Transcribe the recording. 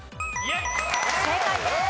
正解です。